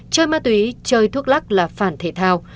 chơi ma túy chơi thuốc lắc là phản thể thao